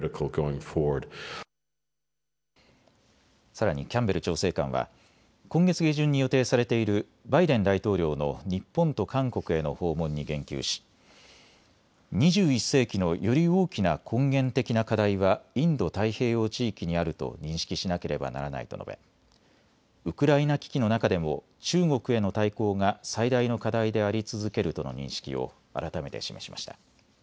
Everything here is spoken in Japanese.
さらにキャンベル調整官は今月下旬に予定されているバイデン大統領の日本と韓国への訪問に言及し２１世紀のより大きな根源的な課題はインド太平洋地域にあると認識しなければならないと述べウクライナ危機の中でも中国への対抗が最大の課題であり続けるとの認識を改めて示しました。